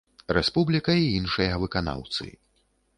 Рэспубліка і іншыя выканаўцы.